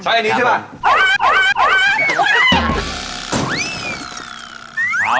ใช้อันนี้ใช่ไหม